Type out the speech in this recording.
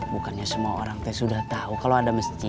bukannya semua orang sudah tahu kalau ada masjid